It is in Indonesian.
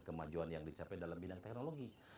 kemajuan yang dicapai dalam bidang teknologi